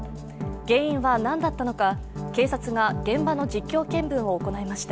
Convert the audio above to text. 原因は何だったのか、警察が現場の実況見分を行いました。